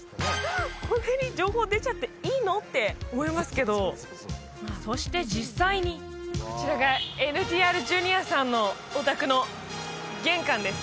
こんなに情報出ちゃっていいの？って思いますけどそして実際にこちらがＮＴＲＪｒ．さんのお宅の玄関です